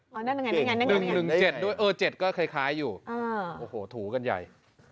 นั่นยังไงนี่ไง๑๗ด้วยเออ๗ก็คล้ายอยู่โอ้โหถูกันใหญ่